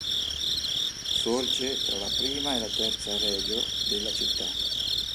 Sorge tra la prima e la terza "regio" della città.